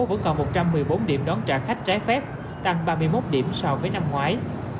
vẫn còn một trăm một mươi bốn điểm đón trả khách trái phép tăng ba mươi một điểm so với năm ngoái